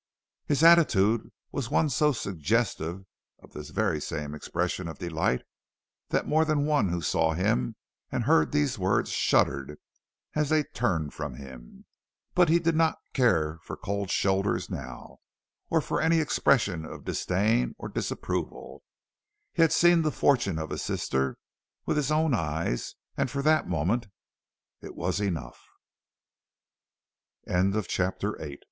His attitude was one so suggestive of this very same expression of delight, that more than one who saw him and heard these words shuddered as they turned from him; but he did not care for cold shoulders now, or for any expression of disdain or disapproval. He had seen the fortune of his sister with his own eyes, and for that moment it was enough. IX. THE TWO SISTERS.